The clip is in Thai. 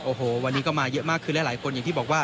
โอ้โหวันนี้ก็มาเยอะมากคือและหลายคน